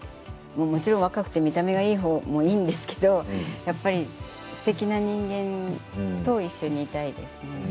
もちろん若くて見た目がいい方もいいんですけどやっぱり、すてきな人間と一緒にいたいですね。